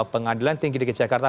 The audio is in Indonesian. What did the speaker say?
pengadilan tinggi dki jakarta